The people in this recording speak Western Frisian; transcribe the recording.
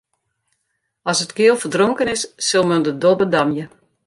As it keal ferdronken is, sil men de dobbe damje.